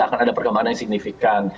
akan ada perkembangan yang signifikan